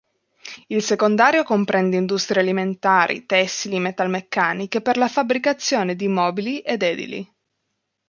Il secondario comprende industrie alimentari, tessili, metalmeccaniche, per la fabbricazione di mobili ed edili.